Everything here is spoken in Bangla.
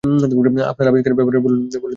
আপনার আবিষ্কারের ব্যাপারে বলুন, মিস ডেবিয়্যাস্কি।